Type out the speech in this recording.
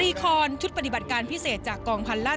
รีคอนชุดปฏิบัติการพิเศษจากกองพันราช